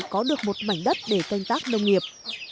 có được một mảnh đất để canh tác nông nghiệp